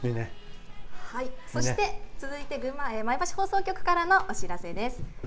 そして、続いて前橋放送局からのお知らせです。